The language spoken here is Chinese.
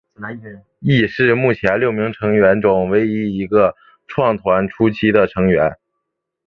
亦是目前六名成员中唯一一个创团初期的成员。